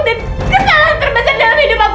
dan kesalahan terbesar dalam hidup aku